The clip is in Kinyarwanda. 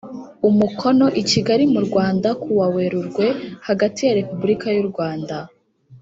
umukono i Kigali mu Rwanda kuwa Werurwe hagati ya Repubulika y u Rwanda